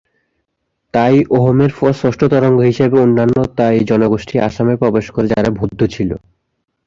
তাই-অহোমের পর ষষ্ঠ তরঙ্গ হিসেবে অন্যান্য তাই জনগোষ্ঠী আসামে প্রবেশ করে যারা বৌদ্ধ ছিল।